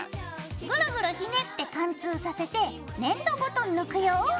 グルグルひねって貫通させて粘土ごと抜くよ。